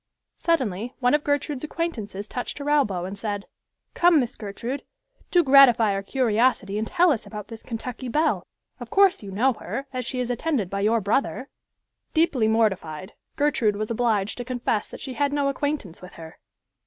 Suddenly one of Gertrude's acquaintances touched her elbow, and said, "Come, Miss Gertrude, do gratify our curiosity and tell us about this Kentucky belle. Of course you know her, as she is attended by your brother." Deeply mortified Gertrude was obliged to confess that she had no acquaintance with her.